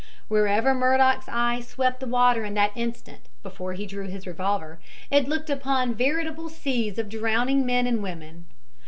Wherever Murdock's eye swept the water in that instant, before he drew his revolver, it looked upon veritable seas of drowning men and women.